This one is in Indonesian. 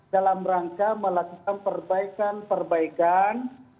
dalam rangka melakukan perbaikan perbaikan